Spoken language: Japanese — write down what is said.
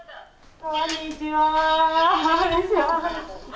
こんにちは。